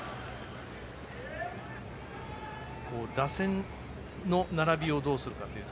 打線の並びをどうするかという。